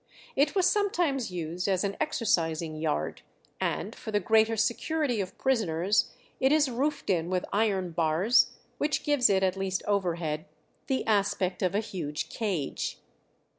It was sometimes used as an exercising yard, and for the greater security of prisoners it is roofed in with iron bars which gives it, at least overhead, the aspect of a huge cage.